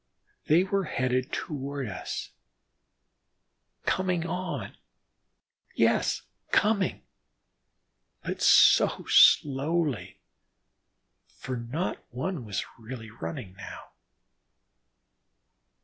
They were headed toward us, coming on, yes! coming, but so slowly, for not one was really running now.